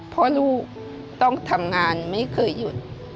เพราะลูกต้องทำงานไม่เคยหยุด